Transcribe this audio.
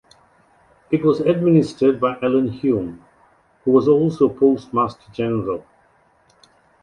It was administered by Alan Hulme, who was also Postmaster-General.